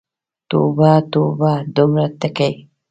توبه، توبه، دومره ټګې!